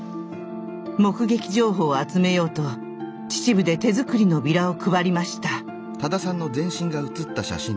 目撃情報を集めようと秩父で手作りのビラを配りました。